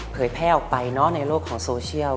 แพร่ออกไปในโลกของโซเชียล